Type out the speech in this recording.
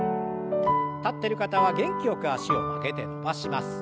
立ってる方は元気よく脚を曲げて伸ばします。